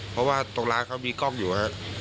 เพราะว่าตรงร้านเขามีกล้องอยู่ครับ